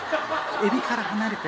エビから離れて。